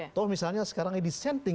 atau misalnya sekarang ini